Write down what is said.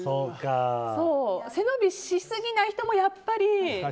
背伸びしすぎない人もやっぱり。